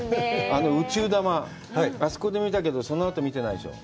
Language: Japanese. あの宇宙玉、あそこで見たけど、そのあと見てないでしょう？